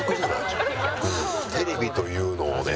テレビというのをね